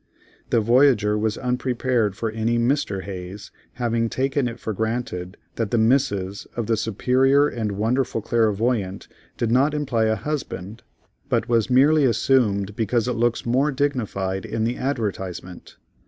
The voyager was unprepared for any Mister Hayes, having taken it for granted that the Mrs. of the superior and wonderful clairvoyant did not imply a husband, but was merely assumed because it looks more dignified in the advertisement.